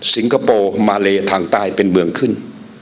คโปร์มาเลทางใต้เป็นเมืองขึ้น